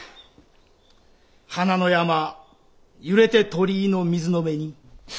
「華の山揺れて鳥居の水の辺に」。